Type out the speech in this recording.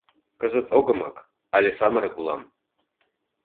Кызыт огымак... але самырык улам.